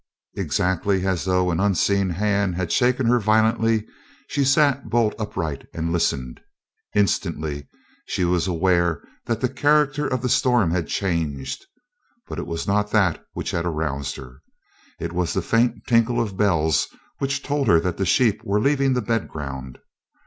Exactly as though an unseen hand had shaken her violently, she sat bolt upright and listened. Instantly she was aware that the character of the storm had changed, but it was not that which had aroused her; it was the faint tinkle of bells which told her that the sheep were leaving the bed ground.